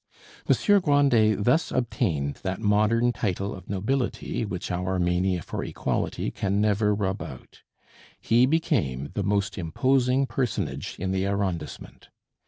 Monsieur Grandet thus obtained that modern title of nobility which our mania for equality can never rub out. He became the most imposing personage in the arrondissement.